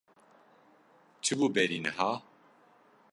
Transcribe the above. Çi bû berî niha?